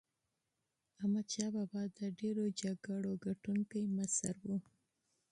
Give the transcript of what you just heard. احمدشاه بابا د ډیرو جنګي فتوحاتو مشر و.